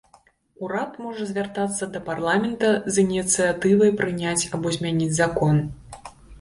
Урад можа звяртацца да парламента з ініцыятывай прыняць або змяніць закон.